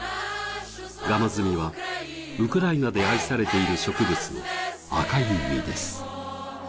ガマズミはウクライナで愛されている植物の赤い実です。